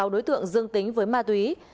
một mươi sáu đối tượng dương tính với ma túy